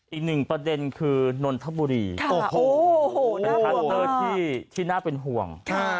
อีกหนึ่งประเด็นคือนนทบุรีโอ้โหเป็นคลัสเตอร์ที่น่าเป็นห่วง